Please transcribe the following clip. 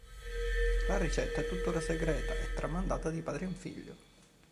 La ricetta è tuttora segreta e tramandata di padre in figlio.